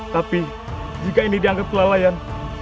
tapi jika ini dianggap kelalaian